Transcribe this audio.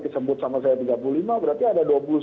disebut sama saya tiga puluh lima berarti ada